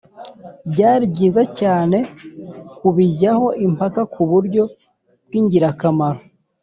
byari byiza cyane kubijyaho impaka ku buryo bw' ingirakamaro